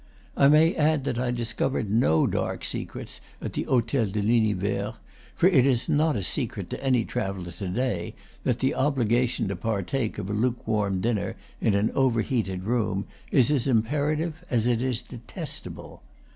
I may add that I discovered no dark secrets at the Hotel de l'Univers; for it is not a secret to any traveller to day that the obligation to partake of a lukewarm dinner in an overheated room is as imperative as it is detestable.